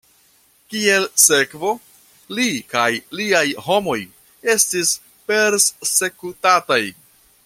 Kiel sekvo, li kaj liaj homoj estis persekutataj.